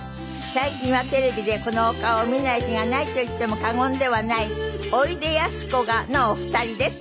最近はテレビでこのお顔を見ない日がないと言っても過言ではないおいでやすこがのお二人です。